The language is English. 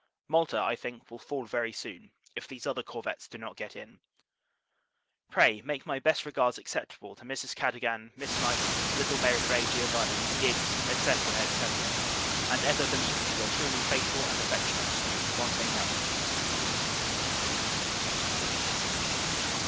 Malta, I think, will fall very soon, if these other corvettes do not get in. Pray, make my best regards acceptable to Mrs. Cadogan, Miss Knight, little Mary Re Giovanni, Gibbs, &c. &c. and ever believe me your truly faithful and affectionate BRONTE NELSON.